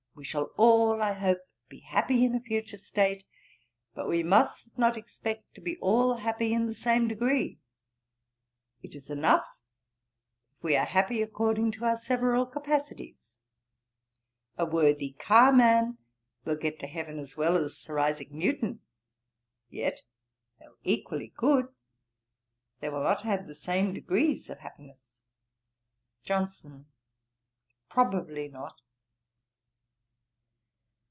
We shall all, I hope, be happy in a future state, but we must not expect to be all happy in the same degree. It is enough if we be happy according to our several capacities. A worthy carman will get to heaven as well as Sir Isaac Newton. Yet, though equally good, they will not have the same degrees of happiness.' JOHNSON. 'Probably not.'